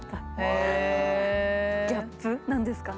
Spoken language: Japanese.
ギャップなんですかね。